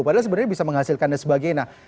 padahal sebenarnya bisa menghasilkan dan sebagainya